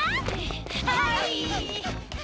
はい！